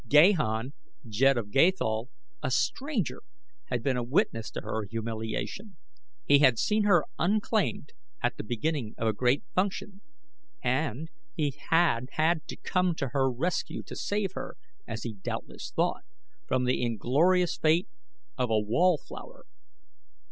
Gahan, Jed of Gathol, a stranger, had been a witness to her humiliation. He had seen her unclaimed at the beginning of a great function and he had had to come to her rescue to save her, as he doubtless thought, from the inglorious fate of a wall flower.